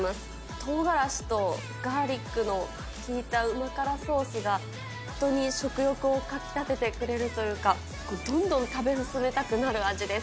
とうがらしとガーリックの効いた旨辛ソースが本当に食欲をかきたててくれるというか、どんどん食べ進めたくなる味です。